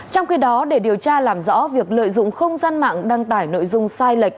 trong khi đó để điều tra làm rõ việc lợi dụng không gian mạng đăng tải nội dung sai lệch